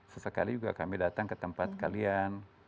sesekali juga kami datang ke tempat kalian